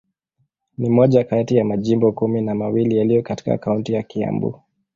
Ni moja kati ya majimbo kumi na mawili yaliyo katika kaunti ya Kiambu.